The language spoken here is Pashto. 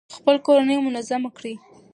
خپله کورنۍ منظمه کړئ.